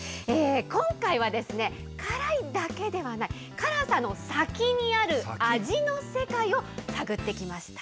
今回はですね、辛いだけではない、辛さの先にある味の世界を探ってきました。